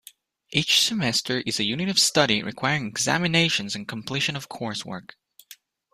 Each semester is a unit of study requiring examinations and completion of coursework.